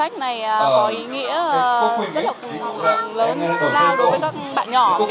cho mình thì cái hội sách này có ý nghĩa rất là lớn ra đối với các bạn nhỏ